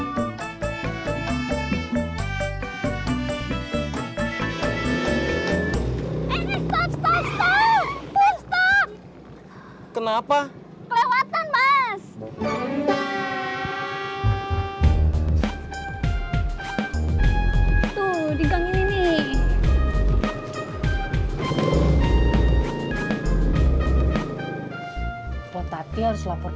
mau minta tolong diantar